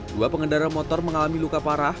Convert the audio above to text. dua pengendara motor mengalami luka parah